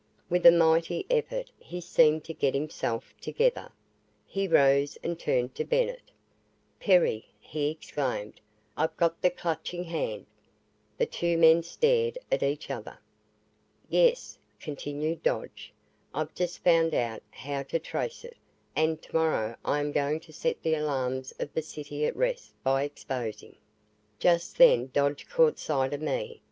With a mighty effort he seemed to get himself together. He rose and turned to Bennett. "Perry," he exclaimed, "I've got the Clutching Hand!" The two men stared at each other. "Yes," continued Dodge, "I've just found out how to trace it, and tomorrow I am going to set the alarms of the city at rest by exposing " Just then Dodge caught sight of me.